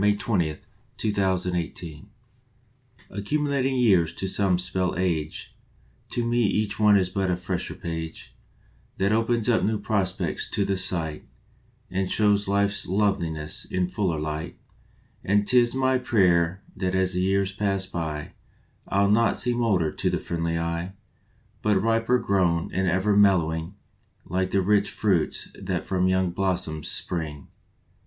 March Twentieth MELLOWING ACCUMULATING years to some spell ^ age To me each one is but a fresher page That opens up new prospects to the sight And shows life s loveliness in fuller light; And tis my prayer that as the years pass by I ll not seem older to the friendly eye, But riper grown and ever mellowing, Like the rich fruits that from young blos soms spring.